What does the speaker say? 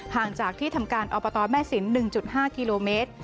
ห่างจากที่ทำการอบตแม่สิน๑๕กิโลเมตร